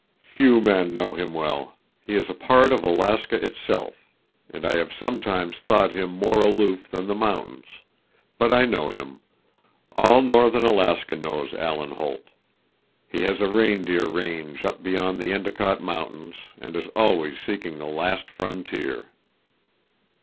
"Few men know him well. He is a part of Alaska itself, and I have sometimes thought him more aloof than the mountains. But I know him. All northern Alaska knows Alan Holt. He has a reindeer range up beyond the Endicott Mountains and is always seeking the last frontier."